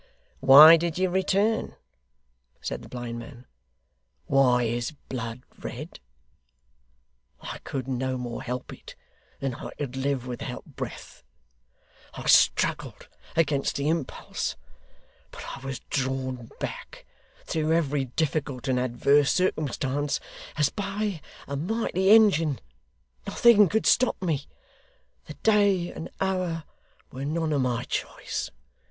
'Why did you return? said the blind man. 'Why is blood red? I could no more help it, than I could live without breath. I struggled against the impulse, but I was drawn back, through every difficult and adverse circumstance, as by a mighty engine. Nothing could stop me. The day and hour were none of my choice.